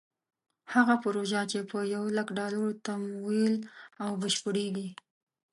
هغه پروژه چې په یو لک ډالرو تمویل او بشپړېږي.